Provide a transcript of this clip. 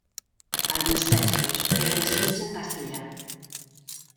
Alguns textos eren escrits en castellà.